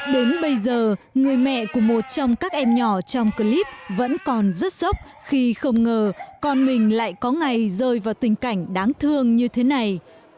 đến bây giờ người mẹ của một trong các em nhỏ trong clip vẫn còn rất sốc khi không ngờ con mình lại có ngày rơi vào tình cảnh đáng thương như thế này